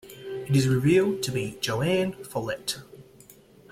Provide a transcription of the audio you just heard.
It is revealed to be JoAnne Follett.